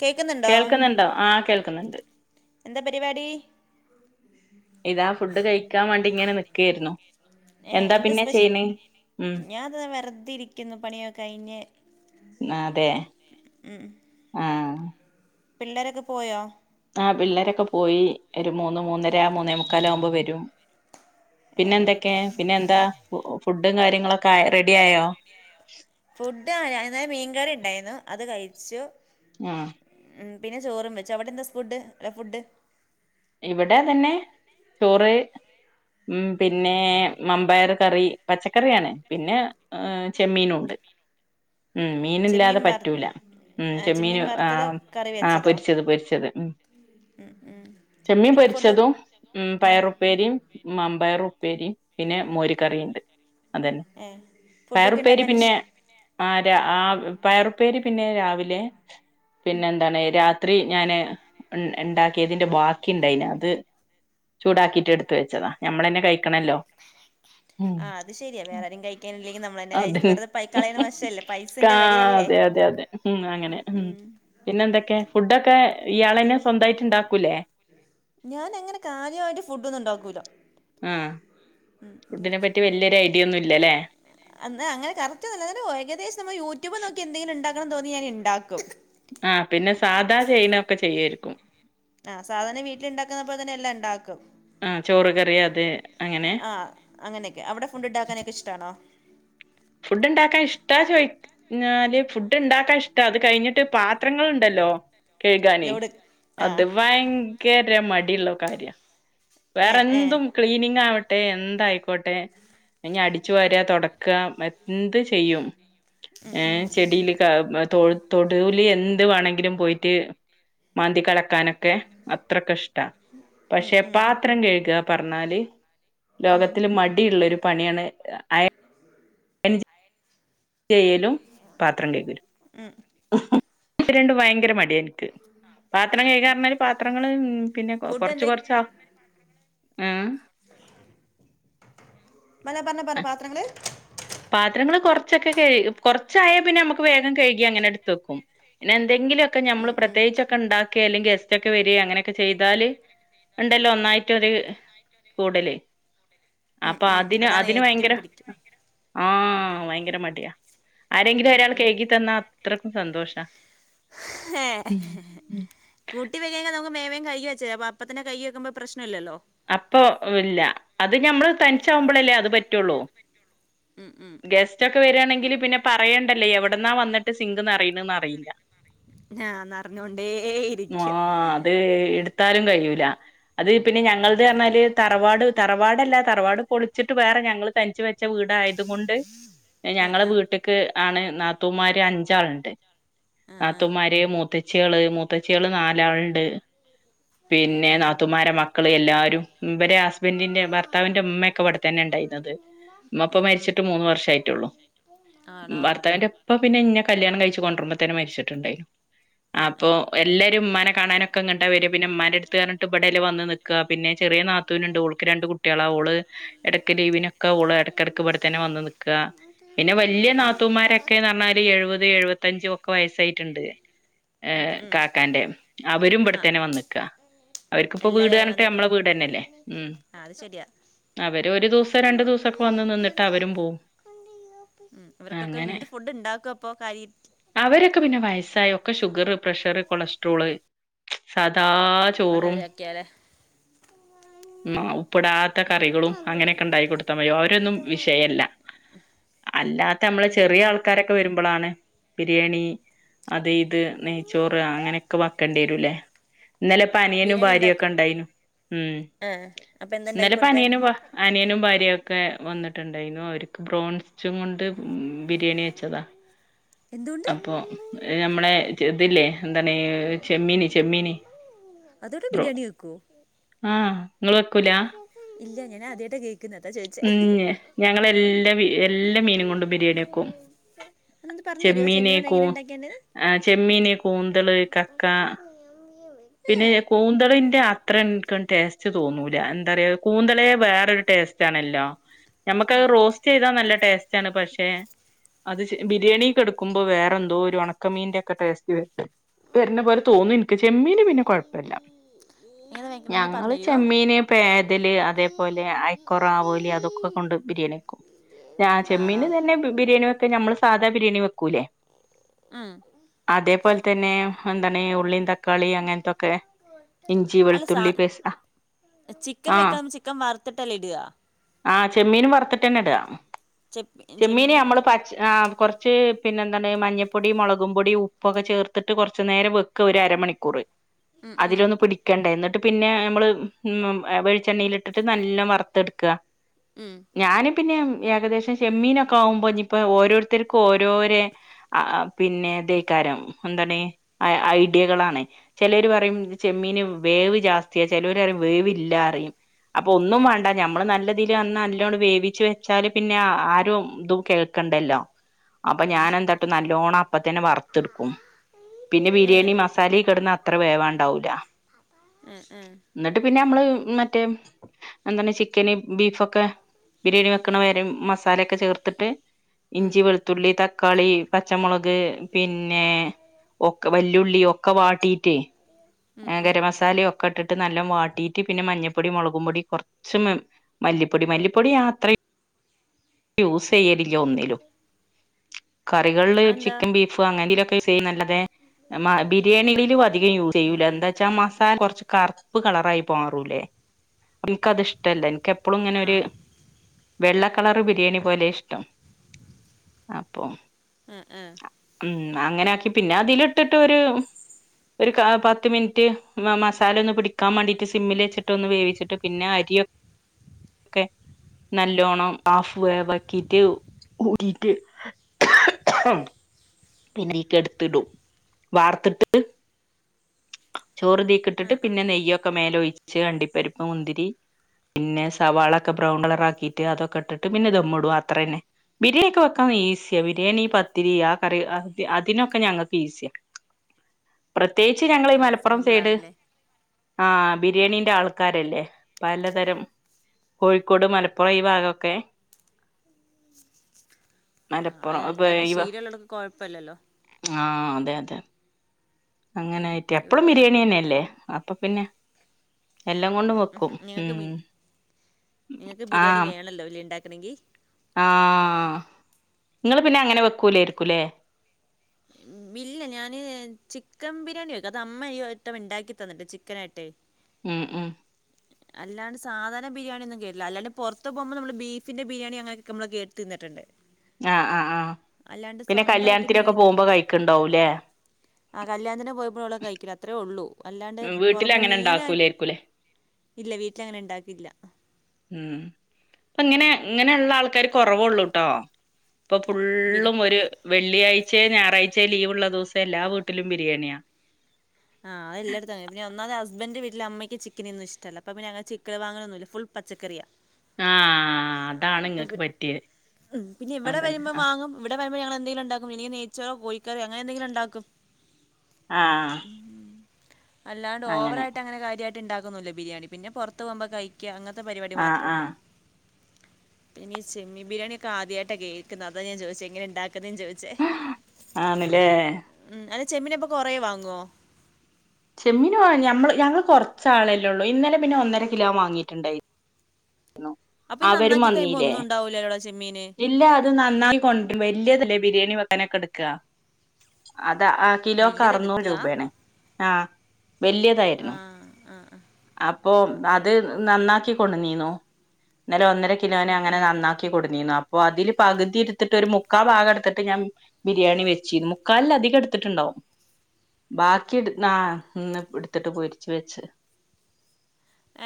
കേൾക്കുന്നുണ്ടോ കേൾക്ക്ന്ന്ണ്ടോ ആ കേൾക്ക്ന്ന്ണ്ട് എന്താ പരിപാടി ഇതാ ഫുഡ് കഴിക്കാവാണ്ടി ഇങ്ങനെ നിക്കേര്ന്നു ഏ എന്താ സ്പെഷ്യല് ഞാൻതാ വെർതെരിക്കുന്നു പണിയൊക്കെ കഴിഞ്ഞ് ആ അതെ ഉം ഉം ആഹ് പിള്ളേരൊക്കെ പോയോ ആ പിള്ളേരൊക്കെ പോയി ഒരു മൂന്ന് മൂന്നര മൂന്നേമുക്കാലാവുമ്പോ വരും ഏ പിന്നെ ഇനി എന്തൊക്കെ പിന്നെ എന്താ ഫുഡും കാര്യങ്ങളൊക്കെ ആ റെഡി ആയോ ഫുഡ് ആ അതേ മീൻകറി ഉണ്ടായിരുന്നു അത് കഴിച്ചു ആഹ് ഉം പിന്നെ ചോറും വെച്ച് അവിടെ എന്താ സ്ഫുഡ് അല്ല ഫുഡ് ഇവിടെ തന്നെ ചോറ് ഉം പിന്നെ മമ്പയർ കറി പച്ചക്കറിയാണ് പിന്നെ ചെമ്മീനുണ്ട് ഉം മീനില്ലാതെ ചെമ്മീൻ വറ പറ്റൂല ഉം ആ, ചെമ്മീൻ ചെമ്മീന് ആ വറുത്തതോ ആ ആ പൊരിച്ചത് പൊരിച്ചത് ഉം ഉ ഉം ചെമ്മീൻ പിന്നെ ഫുഡ് പൊരിച്ചതും ഉം ആ, പയർ ഉപ്പേരിയും മമ്പയറും പ്പേരിയും പിന്നെ മോര് കറിയുണ്ട് അതന്നെ ഏ ഫുഡൊക്കെ പയറുപ്പേരി ഉണ്ടാക്കാൻ പിന്നെ ഇഷ്ടം ആരാ ആ പയറുപ്പേരി പിന്നെ രാവിലെ പിന്നെ എന്താണ് രാ ത്രി ഞാന് ഉണ്ടാക്കിയതിന്റെ വാ ണ്ടായിന് അത് ചൂടാക്കിട്ട് എടുത്ത് വെച്ചതാ നമ്മള് തന്നെ കഴിക്കണല്ലോ ഉം ആ അത് ശരിയാ വേറെ ആരും കിക്കാനില്ലെങ്കിൽ നമ്മള് തന്നെ അതെ കഴിച്ചു വെറതെ പൈ കളയണത് മോശമല്ലേ ആ പൈസന്റെ വലിയല്ലേ അതെ അതെ അതെ ഉം അങ്ങനെ ഉം പിന്നെന്തൊക്കെ ഫുഡൊക്കെ ഇയാള് തന്നെ സ്വന്തമായിട്ട് ഉണ്ടാക്കൂലേ ഞാന് അങ്ങനെ കാര്യമായിട്ട് ഫുഡ് ഒന്നും ഉണ്ടാക്കൂല ആ ഉം, ഇത് ഫുഡിനെ വലിച്ചോ. പറ്റി വല്യരു ഐഡിയ ഒന്നും ഇല്ലല്ലോ അന്ന് അങ്ങനെ കററ്റ് [unintelligible] ഏകദേശം നമ്മൾ യൂട്യൂബ് നോക്കി എന്തെങ്കിലും ഉണ്ടോ ഉണ്ടാകാൻ തോന്നി ഞാൻ ഉണ്ടാക്കും ആ പിന്നെ സാധാ ചൈന ഒക്കെ ചെയ്യുന്ന ഒക്കെ ചെയ്യായിരിക്കും ആ സാധാരണ വീട്ടില് ഉണ്ടാക്കുന്നപ്പോലെ തന്നെ എല്ലാം ഉണ്ടാക്കും ആഹ് ചോറ് കറി അത് അങ്ങനെ ആ അങ്ങനെയൊക്കെ അവിടെ ഫുഡ് ഉണ്ടാക്കാനൊക്കെ ഇഷ്ടാണോ ഫുഡ് ഉണ്ടാക്കാൻ ഇഷ്ടാ ചോദിചാല് ഫുഡ് ഉണ്ടാക്കാൻ ഇഷ്ട അത് കഴിഞ്ഞിട്ട് പാത്രങ്ങള് ഉണ്ടല്ലോ ഓ കഴുകാനേ ലോഡ് ആ അത് ഭയങ്കര മടുള്ള കാര്യ ഏ വേറെ ഏ എന്തും ക്ലീനിംഗ് ആവ ട്ടെ എന്തായിക്കോട്ടെ ഇനി അടിച്ചു വരിക തുടക്ക എന്ത് ചെയ്യും ഉം, ഏ ഉം, ചെടിയിലെക്ക് ആകും മ തൊട് തൊടു കുലി എന്ത് വേണമെങ്കിലും പോയിട്ട് മാന്തി കളക്കാനെ ഒക്കെ അത്ര കഷ്ടാ ഉം, പക്ഷെ ഉം, പാത്രം കഴുക പറഞ്ഞാല് ഉം. ലോകത്തില് മടിയുള്ള ഒരു പണിയാണ് അയ ൻ ചെയലും പാത്രം കഴക്കലും രണ്ടും ഭയങ്കര മടി എനിക്ക് പാത്രം കഴ്കാഞ്ഞാല് പാത്രങ്ങള് ഫുഡ് എന്താ ആ ഉം പല പറ പറഞ്ഞ പാത്രങ്ങള് പാത്രങ്ങള് കുറച്ചൊക്കെ കഴകും കുറച്ചായൽ പിന്നെ നമുക്ക് വേഗം കഴുകി അങ്ങനെ എടുത്ത് വെക്കും പിന്നെ എന്തെങ്കിലുമൊക്കെ നമ്മള് ഉം, ഉം, പ്രതേകിച്ചൊക്കെ ഉണ്ടാക്കുക അല്ലെങ്കിൽ ഗസ്റ്റ് ഒക്കെ വരിക അങ്ങനൊക്കെ ചെയ്താല് ഉണ്ടല്ലോ ഒന്നായിട്ട് ഒരു കൂടല് ഉം, അപ്പം ഉം. അതിന് അതാണ് അതിന് ഏറ്റവും ഭയങ്കര പിടിക്കും ആ ഭയങ്കര മടിയാ ആരെങ്കിലും ഉം, ഒരാൾ ഉം. കഴുകി തന്നാ അത്രയ്ക്കും സന്തോഷാ ഹേ ഉം ഉം കൂട്ടി വരിക്ക ന മേവം കഴ്കി വച്ചേ അപ്പത്തന്നെ കഴുകി വെക്കുമ്പോ പ്രശ്ന ഇല്ലല്ലോ അപ്പൊ ഇല്ല അത് ഞമ്മള് തനിച്ചാവുമ്പോളല്ലേ അത് പറ്റുള്ളൂ ഉം ഉം ഗെസ്റ്റ് ഒക്കെ വരിയാണെങ്കിൽ പിന്നെ പറയണ്ടല്ലേ എവിടന്നാ വന്നി സിംഗ് നറയുന്നെയെന്ന് അറിയുന്നന്ന് അറിയില്ല ആഹ് ന്നറിഞ്ഞോണ്ടേ ഇരിക്കും ആ അതേ എടു ത്താലും കഴിയൂല അത് പിന്നെ ഞങ്ങ അത് പറഞ്ഞാല് തറവാട് തറവാടല്ല തറവാട് പൊളിച്ചിട്ട് വേറെ ഞങ്ങള് തനിച്ച് വെച്ച വീടായതു കൊണ്ട് ആഹ് ഞങ്ങളെ വീട്ട്ക്ക് ആണ് നാത്തൂമാര് അഞ്ചാളുണ്ട് ആഹ് ആഹ് ആഹ് നാത്തൂമാര് മൂത്ത മുത്തച്ചിയോൾ മൂത്തച്ചികള് നാലാള്ണ്ട് ആഹ് പിന്നെ ആഹ് നാതുമാരെ മക്കള് എല്ലാവ ഇവടെ ഹസ്ബന്റ്ന്റെ ഭർത്താവിന്റെ ഉമ്മക്കെ വടെത്തന്നെ ഉണ്ടായിന്നത് മ്മപ്പ ഉം ഉം മരിച്ചിട്ട് മൂന്ന് വർഷായിട്ടുള്ളൂ ആണോ ഭർത്താവിന്റെ ഇപ്പ പിന്നെ ഇന്നെ കല്യാണം കഴ കൊണ്ടുരുമ്പ തന്നെ മരിച്ചിട്ട് ണ്ടായിന്നു ആഹ് അപ്പോ ആഹ് എല്ലാരും മ്മാനെ കാണാനൊക്കെ ഇങ്ങട്ടാ വരാ പിന്നെ മ്മന്റെടുത്ത് പറഞ്ഞിട്ട് ഇവിടേൽ വന്ന് നിക്കാ പിന്നെ ചെറിയ നാത്തൂനുണ്ട് ഓൾക്ക് രണ്ട് കുട്ടിയോളാ ഓള് എടക്ക് ലീവിനൊക്കെ ഓള് എടകെടക്ക് വടെ തന്നെ വന്ന് നിക്ക ക്ക പിന്നെ വലിയ നാത്തൂമാരൊക്കെന്ന് പറഞ്ഞാല് എഴുപത് എഴുപത്തഞ്ചും ഒക്കെ വയസ്സായിട്ട്ണ്ട് ഉം അവരും ആഹ് ഇവിടെത്തന്നെ ആഹ് വന്ന്ക്കാ അവർക്കിപ്പോ വീട് എല്ലാരും അവിടെ വന്നേക്കും മ്മളെ വീട് തന്നെല്ലേ ഉ ആഹ് അത് ശരിയാ അവര് ഒരു ദിവസം രണ്ടു ദിവസൊക്കെ വന്ന് നിന്നിട്ട് അവരും പോവും അവർക്കൊക്കെ അങ്ങനെ എന്ത് ഫുഡ് ഉണ്ടാക്കും അപ്പൊ കാര്യയിട്ട് അവരൊക്കെ പിന്നെ വയസായ ഒക്കെ ഷുഗർ പ്രഷർ കൊളസ്ട്രോള് എന്താ ചോറും ഉള്ളവരൊക്കെയാലെ ആ് ഉപ്പിടാത്ത കറികളും അങ്ങനെക്കെ ഉണ്ടാകി കൊടുത്താൽ മതി അവരൊന്നും വിഷയല്ല അല്ലാത്ത മ്മള് ഉം ചെറിയ ഉം ആൾക്കാരൊക്കെ വരുമ്പളാണ് ബിരിയാണി അത് ഇത് നെയ്ച്ചോറ് അങ്ങനെയൊക്കെ വക്കേണ്ടി യെരുല്ലേ ഇന്നലെ പ നിയനു ബിരിയാണി ഭാര്യൊക്കെ ഉണ്ടാക്കും ണ്ടായിനു ഉ ആഹ് അപ്പൊ എന്താ ഇന്നല ഉണ്ടാക്കി ഇപ്പ കൊടുത്തേ അനിയനും അനിയനും ഭാര്യൊക്കെ വന്നിട്ട് ണ്ടായി അവർക്ക് ബറോണ്ച്ചും കൊ ബിരിയാണി വെച്ചതാ എന്തുകൊണ്ട് അപൊ ഞ്ഞമ്മളേ അതല്ലേ എന്താണ് ചെമ്മീനി ചെമ്മീനി അതോട്ടെ ബിരിയാണി വെക്കോ ആഹ് ങ്ങള് വെക്കൂല ഇല്ല ഞാനാദ്യയിട്ടാ കേക്ക് മ ഞങ്ങ എല്ലാ എല്ലാ മീനും കൊണ്ടും ബിരിയാണിഎക്കും അതൊന്ന് പറഞ്ഞു തരുമോ ചെമ്മീനോട് ചെമ്മീനെക്കൂ എങ്ങനെ ഉണ്ടാക്കേണ്ടത് ആ ചെമ്മീന് കൂന്തള് കക്ക ഏ പിന്നെ കൂന്തളിന്റെ അത്ര ടേസ്റ്റ് തോന്നൂല എന്താ റയാ കൂന്തളേ വേറൊരു ടേസ്റ്റ് ആണല്ലോ ആ നഞമ്മക്കത് റോസ്റ്റ് ചെയ്താ നല്ല ടേസ്റ്റാണ് പക്ഷെ അത് ബിരിയാണിെക് എടുക്കുമ്പോ വേറെന്തോ ഒരു ഒണക്കമീന്റെ ഒക്കെ ടേസ്റ്റ് വര്ണ്ട് വരുന്ന പോലെ തോന്നു നിക്ക് ചെമ്മീന് പിന്നെ കൊഴപ്പില്ല [unintelligible] ഞങ്ങള് തരുമോ ചെമ്മീന് പേതല് അതേപോലെ അയക്കോറാവോലി അതൊക്കെ കൊണ്ട് ബിരിയാണി വക്കും ആണോ ചെമ്മീന് തന്നെ ബിരിയാണി വെക്കാ നമ്മള് സാധാ ബിരിയാണി വെക്കൂലേ ഉം അതേപോലെ തന്നെ എന്താണ് ഉള്ളീും തക്കാളി അങ്ങൻത്തൊക്കെ ഇഞ്ജീ അല്ല സാ വെള്ത്തുള്ളി പേസ്റ്റ് ചിക്കൻ ആ വെക്കണം ചിക്കൻ വറുത്തിട്ടല്ലെ ഇടുക ആ ചെമ്മീന വറത്തിട്ട് തന്നെ ഇടാ ചെമ്മീൻ നമ്മള് പച്ച ആ കുറച്ച് പിന്നെ എന്താണ് മഞ്ഞപ്പൊടി മുളകും പൊടി ഉപ്പൊക്കെ ചേർത്തിട്ട് കൊറച്ചു നേരം വെക്കാ ഒരു അരമണിക്കൂർ ഉം ഉം അതിലൊന്ന് പിടിക്കണ്ടേ എന്നിട്ട് പിന്നെ നമ്മള് ഉ വെളിച്ചെണ്ണയിലിട്ടിട്ട് നല്ല വറത്തെടുകക്കാ ഉം ഞാന് പിന്നെ ഏകദേശം ചെമ്മീനൊക്കെ ആകുമ്പോൾ ഇഞ്ഞിപ്പോ ഓരോരു ക്ക് ഓരോരെ അ പിന്നെ ഇതേക്കാരം എന്താണ് ഐഡിയകളാണ് ചിലര് പറയും ചെമ്മീന് വേവ് ജാസ്തിയ ചിലര് വേവില്ല പറയും അപ്പൊ ഒന്നും ഏ വേണ്ട ഞമ്മള് നല്ല തിൽ നല്ലോ വേവിച്ച് വെച്ചാല് പിന്നെ ആരും ഇതും കേൾക്കണ്ടല്ലേ അപ്പൊ ആ ഞാാന ശരി എന്താട്ടും നല്ലോണം അപ്പ തന്നെ വറത്തെടുക്കും പിന്നെ ഏ ബിരിയാണി മസാലയും കിടന്ന് അത്ര വേവാണ്ടാവൂല! ഏ ഏ എന്നിട്ട് പിന്നെ നമ്മള് മറ്റേ- എന്തന്നെ ചിക്കന് ബീഫൊക്കെ ബിരിയാണി വെക്കണ വരം മസാലൊക്കെ ചേർത്തിട്ട് ഉം ഇഞ്ചി വെളുത്തുള്ളി, തക്കാളി, പച്ചമുളക്, പിന്നെ ഒ വല്ലുള്ളി ഒക്കെ വാട്ടീട്ട്- ഉം ഉം ഗരം മസാലയും ഒക്കെ ഇട്ട്് നല്ല വാട്ടിയിട്ട് പിന്നെ മഞ്ഞപ്പൊടി, മുളകും പൊടി, കുറച്ച് മല്ലിപ്പൊടി, മല്ലിപ്പൊടി അത്ര ഉ യൂസ് ചെയ്യരില്ല ഒന്നിലും കറികളില് അതെന്താ ചിക്കൻ, ബീഫ് അങ്ങനന്തെലൊക്കെ ചെയ നല്ലതെ- ബിരിയാണിയിലും അധികം യൂസ് ചെയ്യൂല ആഹ് എന്താ വെച്ചാൽ മസാല കുറച്ചു കറുപ്പ് കളറായി മാറൂലേ എനിക്കത് ഇഷ്ടല്ല എനിക്ക് െപ്പോളും ആഹ് ഇങ്ങനെ ഒരു ആഹ് വെള്ള കള- ബിരിയാണി പോലെ ഇഷ്ടം അപ്പൊ- ആഏ ആഏ ഉം അങ്ങനെ ആക്കി പിന്നെ അതില ഇട്ടിട്ടൊരു ഒരു പത്ത് മിനിറ്റ് മസാല ഒന്ന് പിടിക്കാൻ വേണ്ടിട്ട് സിമ്മിൽ വെച്ചിട്ട് ഒന്ന് വേവിച്ചിട്ട് പിന്നെ ആ.. [unintelligible] നല്ലോണം പോ ബാക്കിട്ട ഉടിട്ട പിന്നീക്ക് എടുത്തിടും വാർത്തെട്ട് ചോറുതീക്ക ഇട്ടിട്ട് ആഹ് പിന്നെ ആഹ് നെയ്യൊക്കെ മേല ഒഴിച്ച് അണ്ടിപ്പരിപ്പ്, മുന്തിരി, പിന്നെ സവാളൊക്കെ ബ്രൗൺ കളറ ആക്കിട്ട് അതൊക്കെ ഇട്ടിട്ട് പിന്നെ ഇത്മ്മിടും അത്ര തന്നെ. ബിരിയാണിയ ഒക്കെ വെക്കാന്ന് ഈസിയാ ബിരിയാണി പത്തിരി ആ കറി അതിനൊക്കെ ഞങ്ങൾക്ക് ഈസിയാ [inaudible] പ്രത്യേകിച്ച് ഞങ്ങീ ആഹ് മലപ്പുറം സൈഡ് സിമ്പിളാണല്ലേ ആഹ ബിരിയാണീന്റെ ആൾക്കാരല്ലേ അപ്പ പലതരം- കോഴിക്കോട് മലപ്പുറം ഈ ഭാഗമൊക്കെ ആഹ് അത് മലപ്പുറം ഉണ്ടാക്കി സീരിയലടക്ക കൊഴപ്പല്ലല്ലോ ആഹ് അതെ അതെ. ഉം അങ്ങനായിട്ട് ഇവിടെ എപ്പളും പിന്നെ ബിരിയാണി അങ് തന്നെയല്ലേ അപ്പൊ പിന്നെ- എല്ലാം കൊണ്ടും വെക്കും ഉം നിങ്ങക്ക് ബിരിയാണി വേണല്ലോ ഇല്ല ഉണ്ടാക്കണമെങ്കി- ആഹ് നിങ്ങള് പിന്നെ അങ്ങനെ വെക്കൂലോയിരിക്കൂല്ലേ ഇല്ല ഞാന് ചിക്കൻ ബിരിയാണി വെക്കും അത് അമ്മ ട്ടം ഉണ്ടാക്കി തന്നിട്ട് ചിക്കനായിട്ടേ ഉം ഉം അല്ലാണ്ട്ാധണ ബിരിയാണിയന്നും കേട്ടില്ലല്ലാണ്ട് പുറത്ത് പോകുമ്പോ നമ്മള് ബീഫിന്റെ ബിരിയാണി അങ്ങനെയൊക്കെ നമ്മള് കേട്ടുതിന്നട്ടുണ്ട് ആഹ് ആഹ് ആഹ് പിന്നെ സ്വന്തമായിട്ട് കല്യാണത്തിനൊക്കെ പോകുമ്പോ കഴിക്കണ്ടാവുംല്ലേ ആഹ് കല്യാണത്തിന് പോുമ്പോഓളെ കഴിക്കില്ല അത്രേ ഉള്ളൂ അല്ലാണ്ട് ഉം വീട്ടിൽ പുറമെ അങ്ങനെ മീന് ഉണ്ടാക്കൂലരിക്കൂലെ ഇല്ല വീട്ടില അങ്ങനെ ഉണ്ടാക്കില്ല ഉം കുറവള്ളൂട്ടോ ഇപ്പൊ ബിരി ഫുള്ളും ഒരു വെള്ളിയാഴ്ച ഴച്ചെ ഞായറാഴ്ചയ ലീവള്ള ദിവസം എല്ലാ വീട്ടിലും ബിരിയാണിയാ ആഹ്ത എല്ലടത്തെ പിന്ന ഒന്നാമ ഹസ്ബൻഡന്റെ വീട്ടില് അമ്മയ്ക്ക്ക്കിനന്ന ഇഷ്ടല്ല അപ്പ പിന്നെ അന ചിക്കൻ വാങ്ങണൊന്നുമില്ല ഫുൾ പച്ചക്കറിയ ആഹ് അതാണ് ഇപ്പ ഇങ്ങക്ക് പറ്റിയത് പിന്നെ ഇവിടെ അതന്നെ വരുമ്പോ ആഹ് വാങ്ങും ഇവിടെ രുഞങ്ങ എന്തങ്കിലും ഉണ്ടാക്കും എനിക്ക് ന നേച്ചോറോ കോഴിക്കറോ അങ്ങനെന്തങ്കിലും ഉണ്ടാക്കും ആഹ് അല്ലാണ്ട് ഓവറായിട്ട് അങ്ങനെ കാര്യമായിട്ട് ഉണ്ടാക്കുന്നുില്ല ബിരിയാണ പിന്നെ പുറത്ത് പോുമ്പോ കിക്കുക അങ്ങ പരിപാടി ആഹ് മാത്രമേ ഉള്ളൂ ആഹ് പിന്ന ഈ ചെമ്മീൻ ബിരിയാണി ഒക്കെ ആദ്യമായിട്ടാണ് കേൾക്കുന്നത് അതാ ഞാൻ ചോദിച്ച എങ്ങനെ ഉണ്ടാക്കുന്നെ ക്കുന്നെ ചോദിച്ചേ ആണ്ല്ലേ ഉം അല്ല ചെമ്മീനിപ്പൊ കൊറേ വാങ്ങുവോ ചെമ്മീൻ വാ ഞമ്മ ഞങ്ങള് കൊറച്ച ആളെല്ലേ ഉള്ളു ഇന്നലെ പിന്നെ ഒന്നര കിലോ വാങ്ങിട്ടുണ്ടായി [inaudible] അവരും നന്നാക്കി കഴിയുമ്പോ വന്നില്ലേ ഒന്നും ഉണ്ടാവൂലല്ലോടാ ചെമ്മീന് ഇല്ല അത് നന്നായി കൊണ്ട് വരും വലിയതല്ല ബിരിയാണി വെക്കനൊക്കെ എടുക്കുക അതാ ആ കിലോക്കെ വല്യത് അറുന്നൂറ് എടുക്കാ രൂപയണേ ആഹ് ആ വലിയതായിരുന്നു ആ ആ അപ്പൊ ആ ആ അത് നന്നാക്കി കൊണ്ട് വന്നീന്നോ എന്നാല ഒന്നര കിലോനെ ഉം അങ്ങനെ ഉം നന്നാക്കി കൊടുക്ക അപ്പൊ അതില് പകുതി ഇടുത്തിട്ട് ഒരു മുക്കാ ഭാഗ എടുത്തിട്ട് ഞാൻ ബിരിയാണി വെച്ചി മുക്കാല അധികം എടുത്തിന് എടുത്തിട്ടുണ്ടാവും ബാക്കി എടു ആ ഇന്ന് എടുത്തിട്ട് പൊരിച്ച വെച്ച്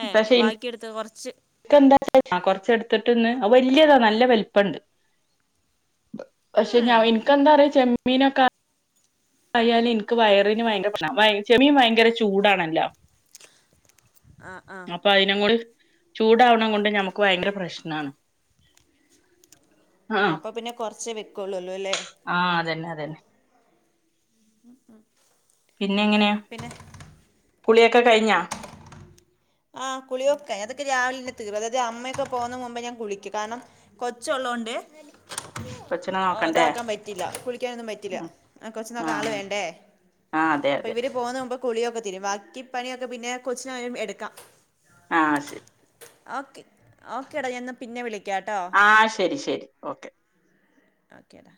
ഏഹ് ബാക്കിയെടുത്ത് കുറച്ച് എന്താ കൊറച്ച എടുത്തിട്ട് ഇന്ന് അത് വലിയതാ നല്ല വലിപ്പമുണ്ട് ഏ പക്ഷെ ഞാൻ എനക്ക് എന്താ പറയാ ചെമ്മീനൊക്കെ ആയാലും എനിക്ക് വയറിന് ഭയങ്കര പ്രശ്നമാ ചെമ്മീൻ ഭയങ്കര ചൂടാണല്ലോ ആ ആ അപ്പൊ അതിന കൂടി ചൂടാവണം കൊണ്ട് ഞമ്മക്ക് ഭയങ്കര പ്രശ്നമാണ് ആ അപ്പൊ പിന്നെ കൊറച്ചേ വെക്കുള്ളല്ലോ അല്ലേ ആ അതന്നെ അതന്നെ ഉം ഉം പിന്നെ എങ്ങനെയാ കുളിയൊക്കെ കഴിഞ്ഞാ ആഹ് കുളി ഒക്കെ ഞാൻ അതൊക്ക രാവിലെന്നെ തീർ അതായത് അമ്മയക്കെ പോകുന്ന മുമ്പ് ഞാൻ കുളിക്കും കാരണം കൊച്ച് ഉള്ളാണ്ട് കൊച്ചിനെ നോക്കണ്ടേ ഇതാക്കാൻ പറ്റില്ല കുളിക്കാനൊന്നും പറ്റില്ല കൊ ഒരാള് ആ വേണ്ടേ ആ അതെ അപ്പൊ അതെ ഇവര് പോകുന്ന മുമ്പ് കുളിയൊക്കെ തീരും ബാക്കി പണിയൊക്കെ പിന്നെ കൊച്ചിനായാലും എടുക്കാം ആ ശരി ഓക്കെ ഓക്കെ എടാ ഞാനെന്ന് പിന്നെ വിളിക്കാം ആ ശരി ശരി ഓക്കെ ഓക്കെടാ